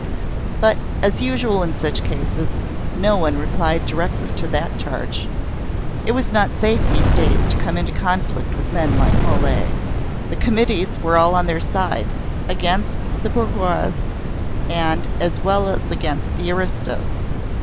But, as usual in such cases, no one replied directly to the charge. It was not safe these days to come into conflict with men like Mole. The Committees were all on their side, against the bourgeois as well as against the aristos.